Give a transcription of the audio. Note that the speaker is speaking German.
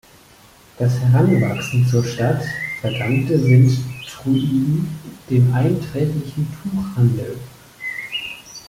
Das Heranwachsen zur Stadt verdankte Sint-Truiden dem einträglichen Tuchhandel.